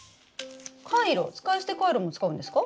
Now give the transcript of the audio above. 使い捨てカイロも使うんですか？